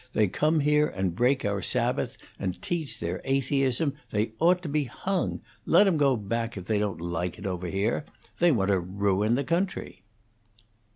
They come here and break our Sabbath, and teach their atheism. They ought to be hung! Let 'em go back if they don't like it over here. They want to ruin the country."